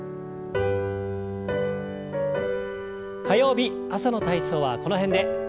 火曜日朝の体操はこの辺で。